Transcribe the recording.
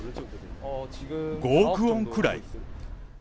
５億ウォンくらい。